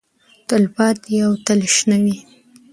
تلپاتې او تلشنه وي.